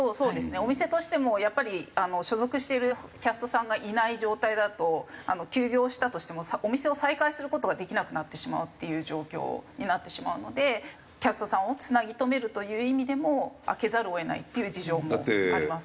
お店としてもやっぱり所属しているキャストさんがいない状態だと休業したとしてもお店を再開する事ができなくなってしまうっていう状況になってしまうのでキャストさんをつなぎ留めるという意味でも開けざるを得ないっていう事情もあります。